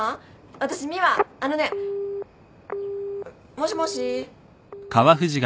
もしもーし。